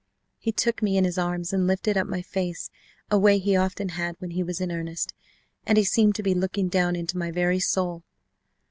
He took me in his arms and lifted up my face, a way he often had when he was in earnest, and he seemed to be looking down into my very soul.